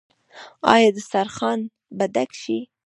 آیا دسترخان به ډک شي؟